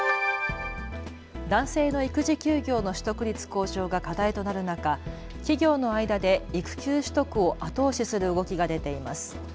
男性の育児休業の取得率向上が課題となる中、企業の間で育休取得を後押しする動きが出ています。